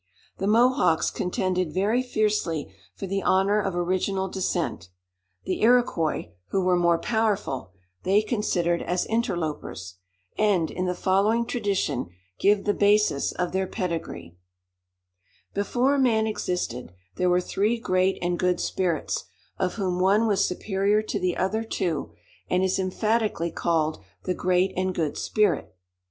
The Mohawks contended very fiercely for the honour of original descent. The Iroquois, who were more powerful, they considered as interlopers; and, in the following tradition, give the basis of their pedigree:— "Before man existed, there were three great and good spirits; of whom one was superior to the other two, and is emphatically called the Great and Good Spirit.